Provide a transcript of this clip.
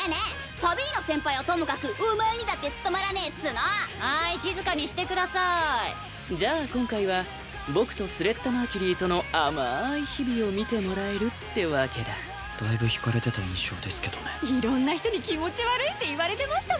サビーナ先輩はともかくお前にだって務まらねぇっつぅのはい静かにしてくださいじゃあ今回は僕とスレッタ・マーキュリーとの甘い日々を見てもらえるってわけだだいぶひかれてた印象ですけどねいろんな人に「気持ち悪い」って言われてました